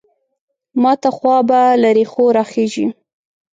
ماته خوا به له رېښو راخېژي.